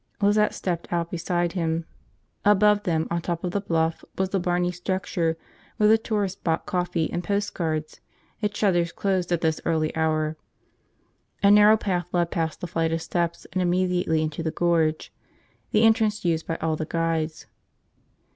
Lizette stepped out beside him. Above them, on top of the bluff, was the barny structure where the tourists bought coffee and postcards, its shutters closed at this early hour. A narrow path led past the flight of steps and immediately into the Gorge, the entrance used by all the guides.